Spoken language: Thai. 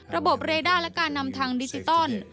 ระบบเรด้าและการนำทางดิจิตอล